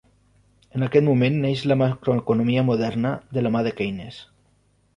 En aquest moment neix la macroeconomia moderna de la mà de Keynes.